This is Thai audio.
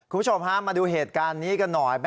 คุณผู้ชมฮะมาดูเหตุการณ์นี้กันหน่อย